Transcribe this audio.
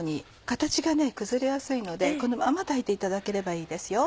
形が崩れやすいのでこのまま炊いていただければいいですよ。